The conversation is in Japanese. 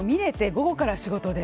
午後から仕事で。